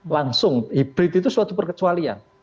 langsung hybrid itu suatu perkecualian